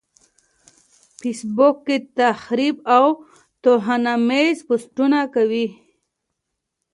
فېس بوک کې تخريب او توهيناميز پوسټونه کوي.